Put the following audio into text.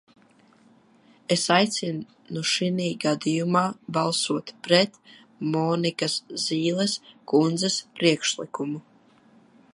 Es aicinu šinī gadījumā balsot pret Monikas Zīles kundzes priekšlikumu.